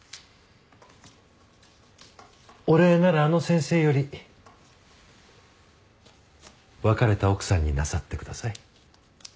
お礼ならあの先生より別れた奥さんになさってください。